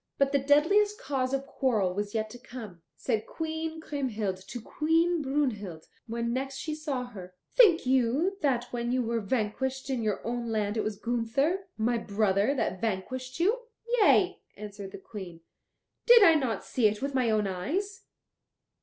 But the deadliest cause of quarrel was yet to come. Said Queen Kriemhild to Queen Brunhild when next she saw her: "Think you that when you were vanquished in your own land it was Gunther, my brother, that vanquished you?" "Yea," answered the Queen, "did I not see it with my own eyes?"